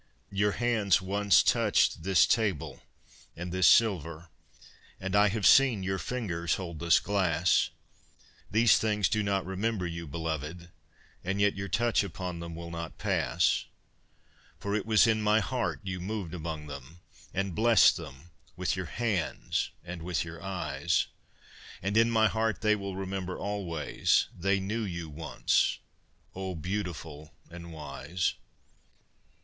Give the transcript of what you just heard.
Your hands once touched this table and this silver, And I have seen your fingers hold this glass. These things do not remember you, belovËd, And yet your touch upon them will not pass. For it was in my heart you moved among them, And blessed them with your hands and with your eyes; And in my heart they will remember always, They knew you once, O beautiful and wise.